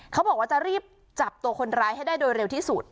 เขาบอกว่าจะรีบจับตัวคนร้ายให้ได้โดยเร็วที่สุด